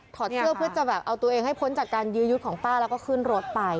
อดเสื้อเพื่อจะแบบเอาตัวเองให้พ้นจากการยื้อยุดของป้าแล้วก็ขึ้นรถไป